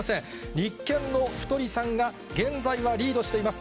立憲の太さんが現在はリードしています。